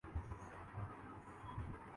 جو ہم پہ گزری سو گزری مگر شب ہجراں